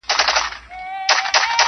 د نظر غشی به مي نن له شالماره څارې -